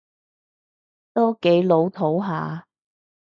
都幾老套吓